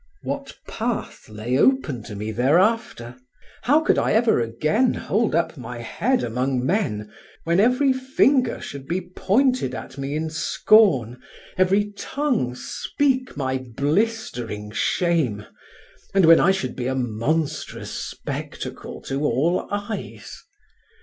What path lay open to me thereafter? How could I ever again hold up my head among men, when every finger should be pointed at me in scorn, every tongue speak my blistering shame, and when I should be a monstrous spectacle to all eyes?